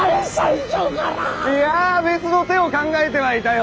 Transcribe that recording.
いやぁ別の手を考えてはいたよ。